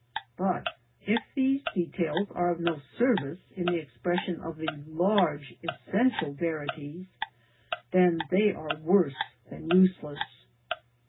But if these details are of no service in the expression of the large essential verities, then they are worse than useless.